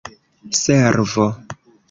servo